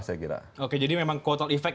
saya kira oke jadi memang quotel efek